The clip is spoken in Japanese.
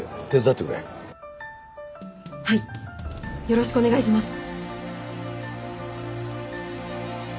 よろしくお願いします。